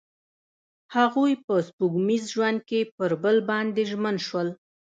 هغوی په سپوږمیز ژوند کې پر بل باندې ژمن شول.